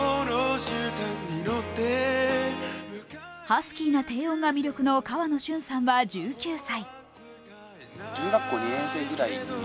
ハスキーな低音が魅力の河野峻さんは１９歳。